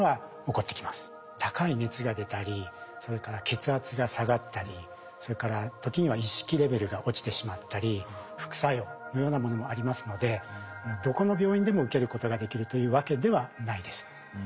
高い熱が出たりそれから血圧が下がったりそれから時には意識レベルが落ちてしまったり副作用のようなものもありますのでどこの病院でも受けることができるというわけではないです。